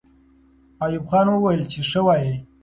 ایوب خان وویل چې ښه وایئ.